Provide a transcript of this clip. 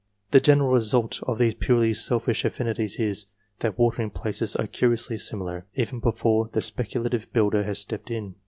The general result of these purely selfish affini ties is that watering places are curiously similar, even before the speculative builder has stepped in.